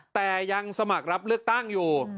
แต่ยังสมัครรับเลือกตั้งอยู่